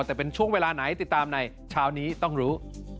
แต่เป็นช่วงเวลาไหนติดตามในเช้านี้ต้องรู้